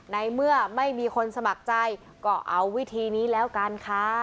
ในเมื่อไม่มีคนสมัครใจก็เอาวิธีนี้แล้วกันค่ะ